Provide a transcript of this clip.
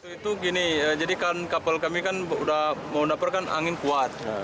itu gini jadi kan kapal kami kan udah mau mendapatkan angin kuat